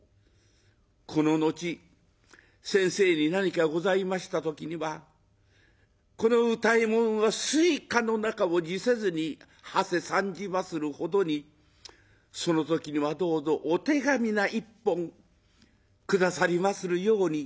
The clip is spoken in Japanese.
この後先生に何かございました時にはこの歌右衛門は水火の中を辞せずにはせ参じまするほどにその時にはどうぞお手紙な一本下さりまするように」。